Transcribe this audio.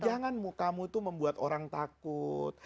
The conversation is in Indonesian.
janganmu kamu itu membuat orang takut